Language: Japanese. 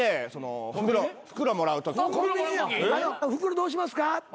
袋どうしますか？って。